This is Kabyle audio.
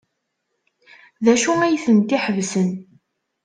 D acu ay tent-iḥebsen?